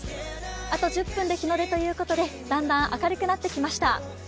あと１０分で日の出ということでだんだん明るくなってきました。